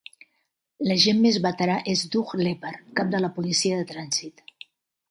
L'agent més veterà és Doug Lepard, cap de la policia de trànsit.